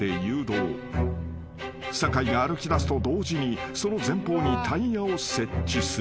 ［酒井が歩きだすと同時にその前方にタイヤを設置する］